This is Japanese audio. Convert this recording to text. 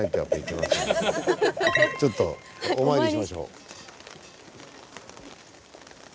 ちょっとお参りしましょう。